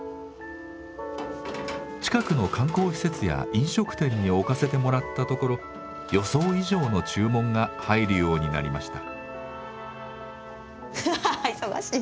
近くの観光施設や飲食店に置かせてもらったところ予想以上の注文が入るようになりました。